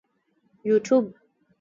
یوټیوب